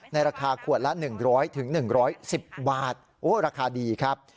ราคาขวดละ๑๐๐๑๑๐บาทโอ้ราคาดีครับ